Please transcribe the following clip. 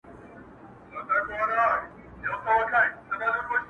چي خاوند به له بازاره راغی کورته!!